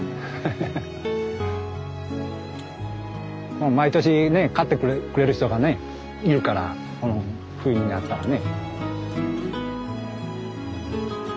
もう毎年ね買ってくれる人がねいるからうん冬になったらね。